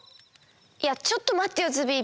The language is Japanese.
いやちょっとまってよズビー。